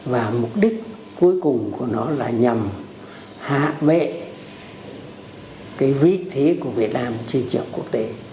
và mục đích cuối cùng của nó là nhằm hạ vệ cái vị thế của việt nam trên trường quốc tế